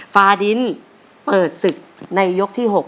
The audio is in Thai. ฟาดินเปิดศึกในยกที่๖